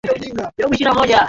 Nitakase sijafa.